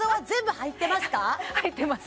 入ってます